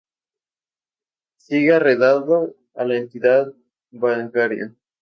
Sigue arrendado a la entidad bancaria.